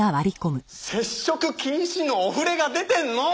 接触禁止のお触れが出てんの！